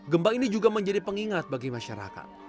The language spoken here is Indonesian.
gempa ini juga menjadi pengingat bagi masyarakat